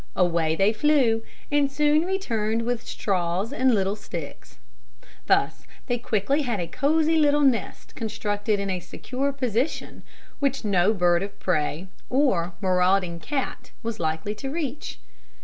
Away they flew, and soon returned with straws and little sticks. Thus they quickly had a cozy little nest constructed in a secure position, which no bird of prey or marauding cat was likely to reach.